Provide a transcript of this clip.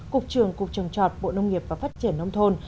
cục trưởng cục trồng trọt bộ nông nghiệp và phát triển nông thôn